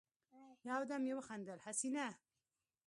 يودم يې وخندل: حسينه!